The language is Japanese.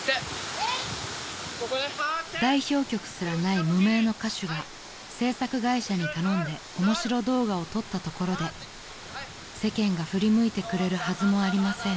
［代表曲すらない無名の歌手が制作会社に頼んで面白動画を撮ったところで世間が振り向いてくれるはずもありません］